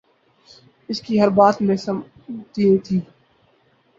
اس کی ہر بات میں سمجھتی تھی